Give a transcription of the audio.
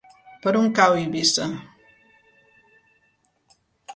Per on cau Eivissa?